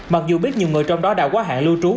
mặc dù biết nhiều người trong đó đã quá hạn lưu trú